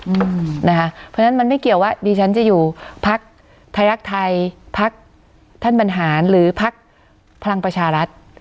เพราะฉะนั้นมันไม่เกี่ยวว่าดิฉันจะอยู่พักไทยรักไทยพักท่านบรรหารหรือพักพลังประชารัฐ